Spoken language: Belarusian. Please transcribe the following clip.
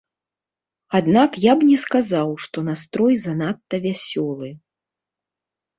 Аднак я б не сказаў, што настрой занадта вясёлы.